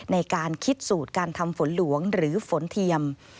ในการคิดสูตรการทำฝนหลวงหรือฝนเทียม